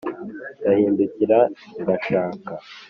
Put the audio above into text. Ndahindukira ngashaka